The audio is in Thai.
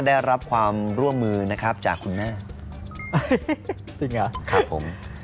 ได้รับความร่วมมือนะครับจากคุณหน้าจริงเหรอครับผม